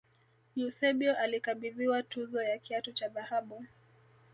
eusebio alikabidhiwa tuzo ya kiatu cha dhahabu